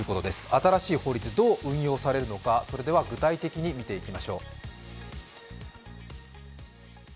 新しい法律、どう運用されるのか、それでは具体的に見ていきましょう。